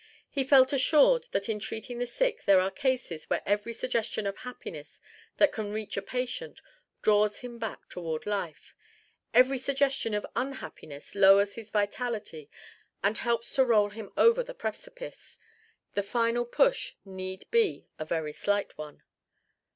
He felt assured that in treating the sick there are cases where every suggestion of happiness that can reach a patient draws him back toward life: every suggestion of unhappiness lowers his vitality and helps to roll him over the precipice: the final push need be a very slight one.